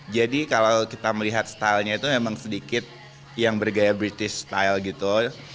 jadi kalau kita melihat stylenya itu memang sedikit yang bergaya british style gitu